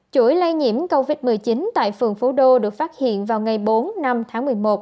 chuỗi lây nhiễm covid một mươi chín tại phường phú đô được phát hiện vào ngày bốn năm tháng một mươi một